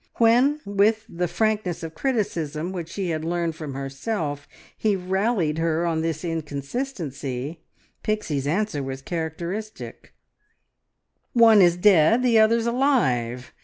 When with the frankness of criticism which he had learned from herself he rallied her on this inconsistency, Pixie's answer was characteristic "One is dead, and the other's alive.